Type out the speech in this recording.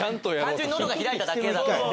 単純に喉が開いただけだから。